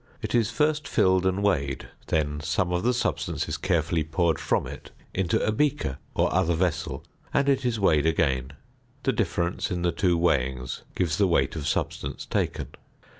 It is first filled and weighed; then some of the substance is carefully poured from it into a beaker or other vessel, and it is weighed again; the difference in the two weighings gives the weight of substance taken.